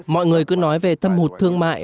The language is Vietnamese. mọi người cứ nói về thâm hụt thương mại